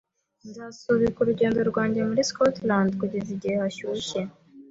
Nzasubika urugendo rwanjye muri Scotland kugeza igihe hashyushye.